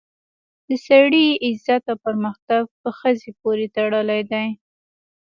د سړي عزت او پرمختګ په ښځې پورې تړلی دی